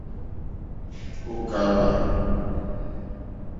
Ò kàwà.